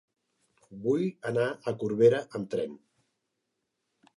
Vull anar a Corbera amb tren.